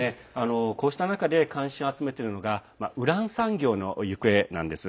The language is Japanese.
こうした中で関心を集めているのがウラン産業の行方です。